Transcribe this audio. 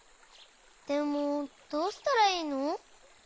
でもどうしたらいいの？